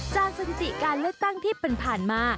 จากสถิติการเลือกตั้งที่เป็นผ่านมา